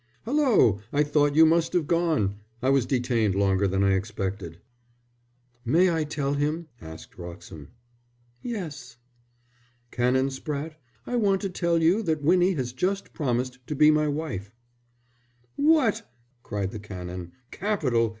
"Hulloa, I thought you must have gone! I was detained longer than I expected." "May I tell him?" asked Wroxham. "Yes!" "Canon Spratte, I want to tell you that Winnie has just promised to be my wife." "What!" cried the Canon. "Capital!